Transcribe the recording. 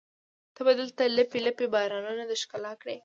ته به دلته لپې، لپې بارانونه د ښکلا کړي